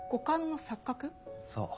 そう。